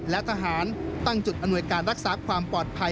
และทหารตั้งจุดอำนวยการรักษาความปลอดภัย